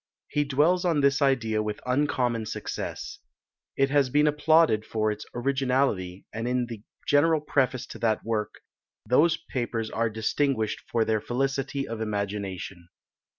He dwells on this idea with uncommon success. It has been applauded for its originality; and in the general preface to that work, those papers are distinguished for their felicity of imagination.